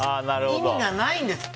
意味がないんです。